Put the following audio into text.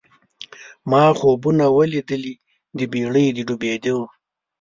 ما خوبونه وه لیدلي د بېړۍ د ډوبېدلو